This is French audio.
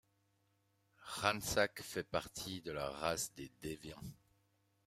Ransak fait partie de la race des Déviants.